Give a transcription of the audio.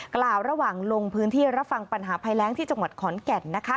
กล่าวระหว่างลงพื้นที่รับฟังปัญหาภัยแรงที่จังหวัดขอนแก่นนะคะ